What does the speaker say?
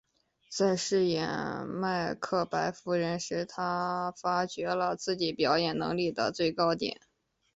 在饰演麦克白夫人时她发觉了自己表演能力的最高点。